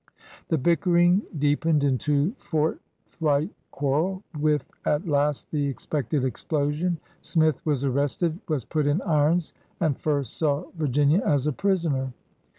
The bickering deep ened into forthright quarrel, with at last the expected explosion. Smith was arrested, was put in irons, and first saw Virginia as a prisoner.